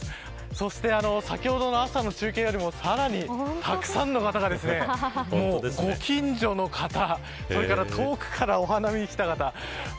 そして先ほどの朝の中継よりもさらに、たくさんの方がご近所の方それから遠くからお花見に来た方